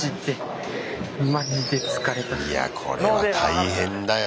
いやこれは大変だよ